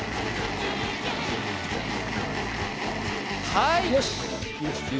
はい。